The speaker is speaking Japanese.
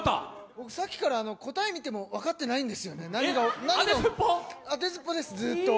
僕さっきから答えを見ても分からないんです、当てずっぽうです、ずっと。